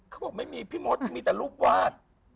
เขาบอกไม่มีพี่มดมีแต่รูปวาด